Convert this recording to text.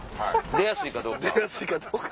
出やすいかどうか！